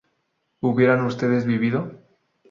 ¿hubieran ustedes vivido?